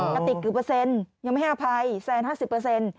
กะติกกี่เปอร์เซ็นต์ยังไม่ให้อภัยแสนห้าสิบเปอร์เซ็นต์